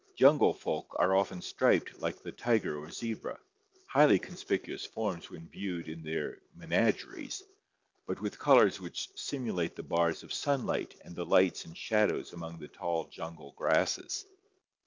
Jungle folk are often striped like the tiger or zebra, highly con spicuous forms when viewed in the menageries, but with colors which simulate the bars of sunlight and the lights and shadows among the tall jungle grasses.